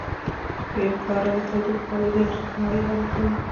پاره د تودوخې په عادي درجه کې مایع حالت لري.